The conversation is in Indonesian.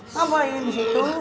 ngapain di situ